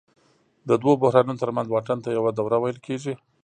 د دوو بحرانونو ترمنځ واټن ته یوه دوره ویل کېږي